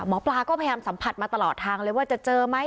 หมอปลาก็พยายามสัมผัสมาตลอดทางเลยว่าจะเจอไหม